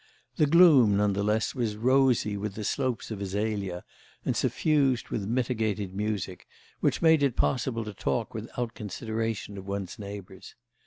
The gloom, none the less, was rosy with the slopes of azalea and suffused with mitigated music, which made it possible to talk without consideration of one's neighbours.